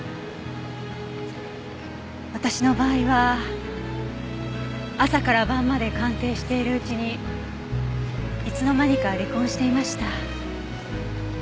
私の場合は朝から晩まで鑑定しているうちにいつの間にか離婚していました。